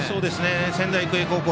仙台育英高校